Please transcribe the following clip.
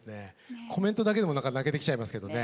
コメントだけでも泣けてきちゃいますけどね。